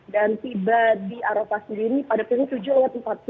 dan tiba di arapah sendiri pada pukul tujuh empat puluh